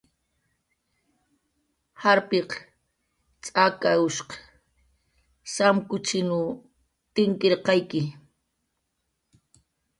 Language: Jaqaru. Jarpiq tz'akawshq samkuchinw tinkirqayki